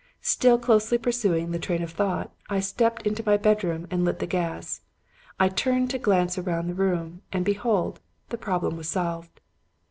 Still closely pursuing the train of thought, I stepped into my bedroom and lit the gas; I turned to glance round the room; and, behold! the problem was solved.